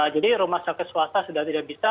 jadi rumah sakit swasta sudah tidak bisa